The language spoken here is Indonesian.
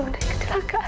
gue stuff kejelakan